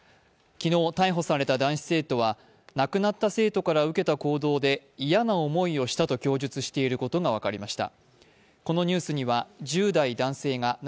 昨日逮捕された男子生徒は亡くなった生徒から受けた行動で嫌な思いをしたと供述していることが分かりました。